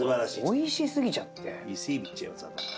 おいしすぎちゃって。